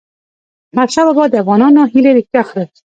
احمدشاه بابا د افغانانو هیلې رښتیا کړی.